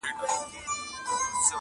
تېرول يې نرۍ ژبه پر برېتونو!!